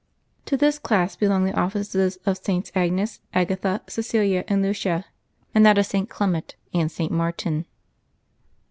To this class belong the ofiices of SS. Agnes, Agatha, Csecilia, and Lucia ; and those of St. Clement and St. Martin.